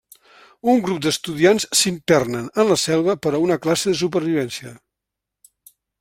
Un grup d'estudiants s'internen en la selva per a una classe de supervivència.